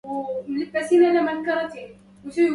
ينبغي أن تفهم أنه عليّ الذهاب الآن.